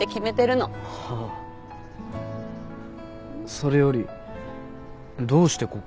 それよりどうしてここ？